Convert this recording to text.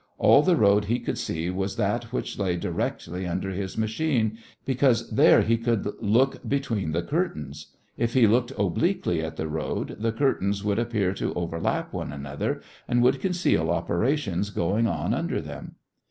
All the road he could see was that which lay directly under his machine, because there he could look between the curtains; if he looked obliquely at the road, the curtains would appear to overlap one another and would conceal operations going on under them.